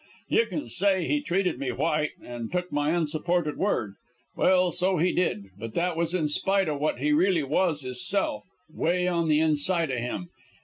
"You can say he treated me white, an' took my unsupported word. Well, so he did; but that was in spite o' what he really was hisself, 'way on the inside o' him.